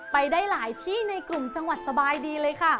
ไปได้หลายที่ในกลุ่มจังหวัดสบายดีเลยค่ะ